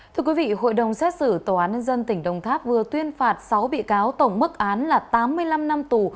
thưa quý vị hội đồng xét xử tòa án nhân dân tỉnh đồng tháp vừa tuyên phạt sáu bị cáo tổng mức án là tám mươi năm năm tù